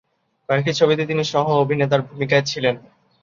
কয়েকটি ছবিতে তিনি সহ-অভিনেতার ভুমিকায় ছিলেন।